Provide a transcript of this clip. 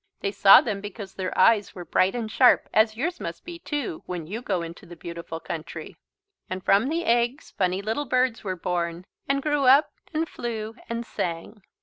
They saw them because their eyes were bright and sharp as yours must be too when you go into the beautiful country. And from the eggs funny little birds were born and grew up and flew and sang.